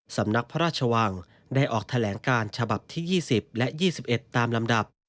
สำนักพระราชวังได้ออกแถลงการฉบับที่ยี่สิบและยี่สิบเอ็ดตามลำดับ